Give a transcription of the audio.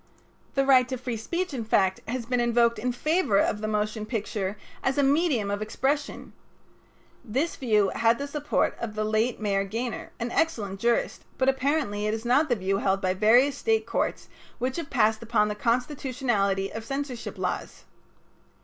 The right to free speech, in fact, has been invoked in favor of the motion picture as a medium of expression. This view had the support of the late Mayor Gaynor, an excellent jurist, but apparently it is not the view held by various State courts which have passed upon the constitutionality of censorship laws.